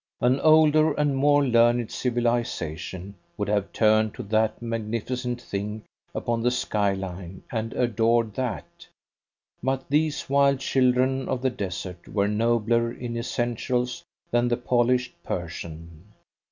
An older and more learned civilisation would have turned to that magnificent thing upon the skyline and adored that. But these wild children of the desert were nobler in essentials than the polished Persian.